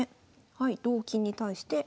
はい同金に対して。